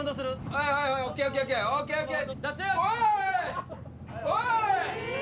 はいはいはいＯＫＯＫＯＫＯＫうわうわい